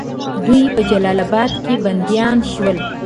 دوی په جلال آباد کې بندیان شول.